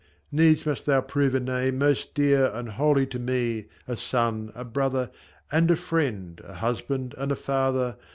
Needs must thou prove a name most dear and holy To me, a son, a brother, and a friend, A husband, and a father